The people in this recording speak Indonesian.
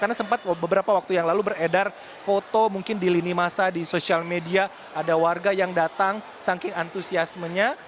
karena sempat beberapa waktu yang lalu beredar foto mungkin di lini masa di sosial media ada warga yang datang saking antusiasmenya